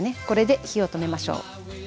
これで火を止めましょう。